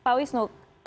pak wisnu